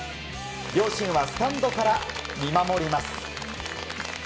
両親はスタンドから見守ります。